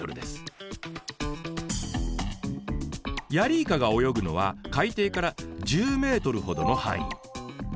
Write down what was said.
ヤリイカが泳ぐのは海底から１０ｍほどの範囲。